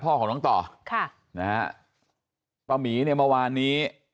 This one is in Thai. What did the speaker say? พ่อของน้องต่อค่ะนะฮะป้าหมีเนี่ยเมื่อวานนี้